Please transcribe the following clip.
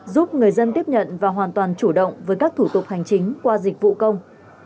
giúp người dân tiếp nhận và hoàn toàn chủ động với các thủ tục hành chính qua dịch vụ công